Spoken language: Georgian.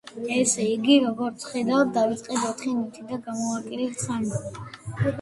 ესე იგი, როგორც ხედავთ დავიწყეთ ოთხი ნივთით და გამოვაკელით სამი.